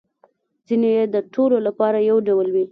ځینې يې د ټولو لپاره یو ډول وي